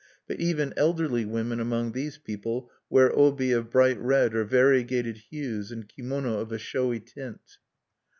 But even elderly women among these people wear obi of bright red or variegated hues, and kimono of a showy tint.